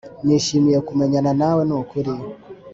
nishimiye kumenyana nawe nukuri